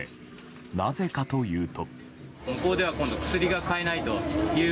なぜかというと。